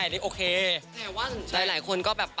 แต่ว่าหลายคนก็แบบปาร์ก